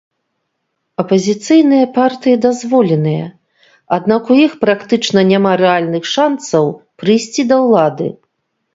Апазіцыйныя партыі дазволеныя, аднак у іх практычна няма рэальных шанцаў прыйсці да ўлады.